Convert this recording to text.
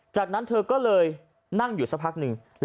จากนั้นเธอก็เลยนั่งอยู่สักพักหนึ่ง